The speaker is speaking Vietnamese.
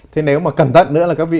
thế nếu mà cẩn thận nữa là các vị